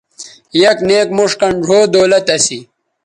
یک نیک موݜ کَن ڙھؤ دولت اسی